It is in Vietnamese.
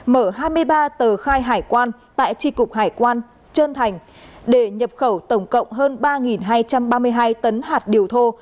mở hai mươi ba tờ khai hải quan tại tri cục hải quan trơn thành để nhập khẩu tổng cộng hơn ba hai trăm ba mươi hai tấn hạt điều thô